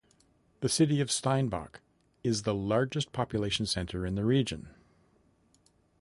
The city of Steinbach is the largest population centre in the region.